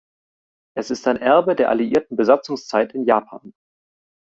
Es ist ein Erbe der alliierten Besatzungszeit in Japan.